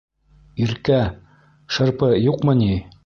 Иркә, шырпы юҡмы ни?